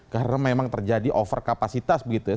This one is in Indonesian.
karena memang terjadi over kapasitas begitu ya